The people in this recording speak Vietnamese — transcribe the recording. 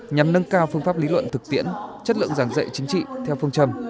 nhằm nâng cao phương pháp lý luận thực tiễn chất lượng giảng dạy chính trị theo phương châm